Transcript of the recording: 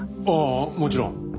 ああもちろん。